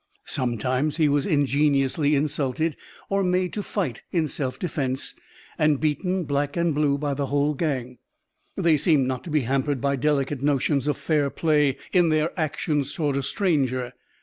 Sometimes he was ingeniously insulted, or made to fight in self defense, and beaten black and blue by the whole gang. They seemed not to be hampered by delicate notions of fair play in their actions toward a stranger.